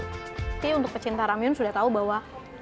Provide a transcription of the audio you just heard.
jadi untuk pecinta ramyeon sudah tahu bahwa